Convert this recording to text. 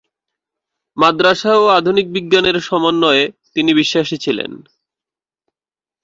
মাদ্রাসা ও আধুনিক বিজ্ঞানের সমন্বয়ে তিনি বিশ্বাসী ছিলেন।